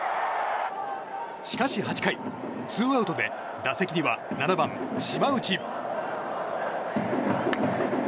しかし８回、ツーアウトで打席には７番、島内。